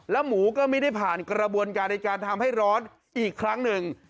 หมูก็ไม่ได้ผ่านกระบวนการในการทำให้ร้อนอีกครั้งหนึ่ง